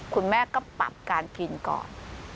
คุณแม่ก็ปรับการกินก่อน